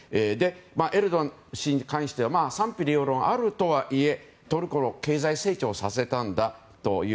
エルドアン氏に関しては賛否両論あるとはいえトルコの経済成長を支えたんだという。